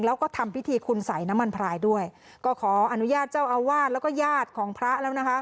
แล้วก็ทำพิธีคุณสัยน้ำมันพรายด้วยก็ขออนุญาตเจ้าอาวาสแล้วก็ญาติของพระแล้วนะคะ